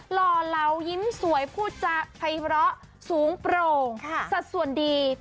หล่อเหลายิ้มสวยพูดจาภัยเลาะสูงโปร่งสัดส่วนดี